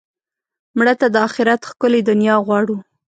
مړه ته د آخرت ښکلې دنیا غواړو